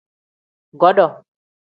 Godo.